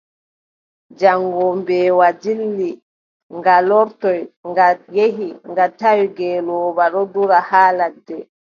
Jaŋngo mbeewa dilli, nga lortoy, nga yehi nga tawi ngeelooba ɗon dura haa ladde.